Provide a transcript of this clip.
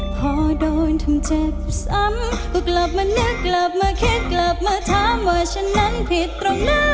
พอโดนทำเจ็บซ้ำก็กลับมานึกกลับมาแค่กลับมาถามว่าฉันนั้นผิดตรงไหน